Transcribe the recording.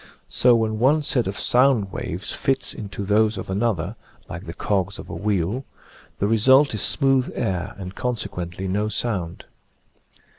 So when one set of sound waves fits into those of another, like the cogs of a wheel, the result is smooth air and consequently no sound.